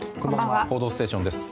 「報道ステーション」です。